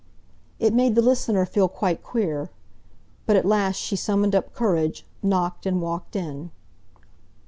It made the listener feel quite queer. But at last she summoned up courage, knocked, and walked in.